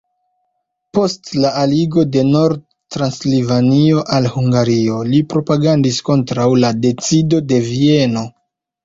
Post la aligo de Nord-Transilvanio al Hungario, li propagandis kontraŭ la decido de Vieno.